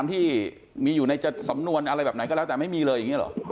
ที่มีอยู่ในสำนวนอะไรแบบไหนก็แล้วแต่ไม่มีเลยอย่างนี้เหรอ